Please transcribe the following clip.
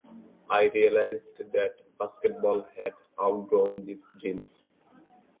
I realized that basketball had outgrown these gyms.